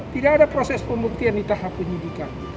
tidak ada proses pembuktian di tahap penyidikan